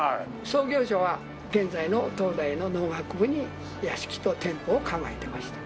創業者は現在の東大の農学部に屋敷と店舗を構えてました。